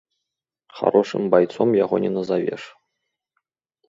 Харошым байцом яго не назавеш.